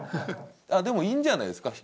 でもいいんじゃないですか？